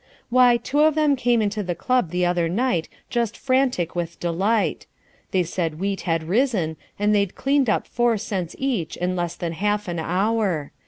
Why, two of them came into the club the other night just frantic with delight: they said wheat had risen and they'd cleaned up four cents each in less than half an hour.